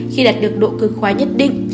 khi đạt được độ cư khóa nhất định